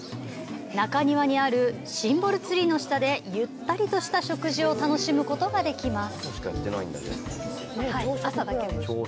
中庭にあるシンボルツリーの下でゆったりとした食事を楽しむことができます。